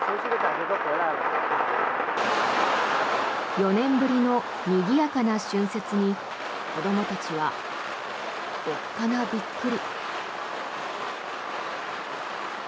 ４年ぶりのにぎやかな春節に子どもたちはおっかなびっくり。